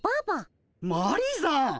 マリーさん！